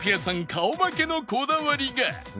顔負けのこだわりが